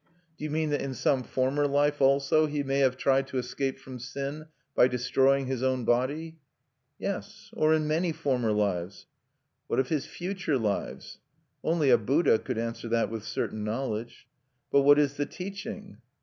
"Do you mean that in some former life also he may have tried to escape from sin by destroying his own body?" "Yes. Or in many former lives." "What of his future lives?" "Only a Buddha could answer that with certain knowledge." "But what is the teaching?"